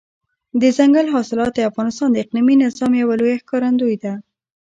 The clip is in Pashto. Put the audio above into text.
دځنګل حاصلات د افغانستان د اقلیمي نظام یوه لویه ښکارندوی ده.